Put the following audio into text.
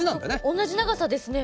同じ長さですね。